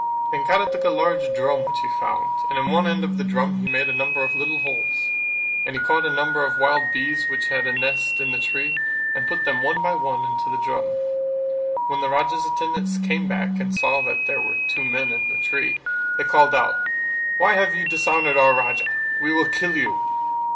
And Kara took up a large drum which he found and in one end of the drum he made a number of little holes: and he caught a number of wild bees which had a nest in the tree and put them one by one into the drum. When the Raja's attendants came back and saw that there were two men in the tree, they called out: "Why have you dishonoured our Raja? We will kill you."